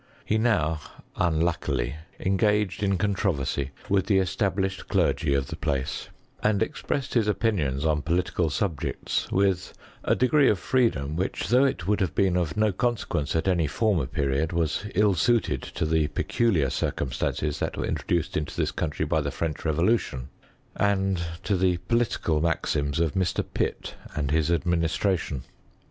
He now unluckily engaged in controversy with the established clergy of the place; and expressed his opinions on political subjects witJte a degree of freedom, which, though it would have been of no consequence at any former period, was ill suited to the peculiar circumstances that were intro duced into this country by the French revolution, and to the political maxims of Mr. Pitt and his administnt' tion.